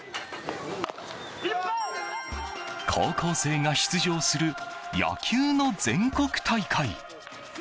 高校生が出場する野球の全国大会。